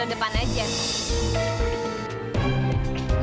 andai andai nggak warna cam